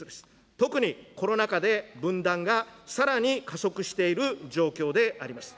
特に、コロナ禍で分断がさらに加速している状況であります。